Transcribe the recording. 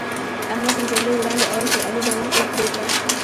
احمد تر جګړې وړاندې؛ اول پر علي باندې خوله پرې کړه.